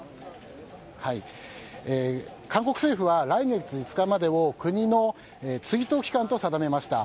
韓国政府は来月５日までを国の追悼期間と定めました。